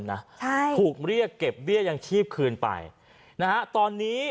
นะใช่ผูกเก็บอย่างทรีย์ขึ้นไปตอนนี้